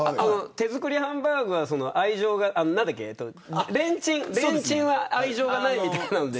手作りハンバーグは愛情があってレンチンは愛情がないみたいな。